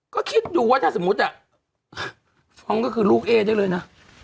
ก็คิดดูว่าถ้าสมมุติฟ้องก็คือลูกเอ๊ได้เลยนะ